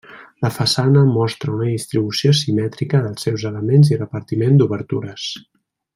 La façana mostra una distribució simètrica dels seus elements i repartiment d'obertures.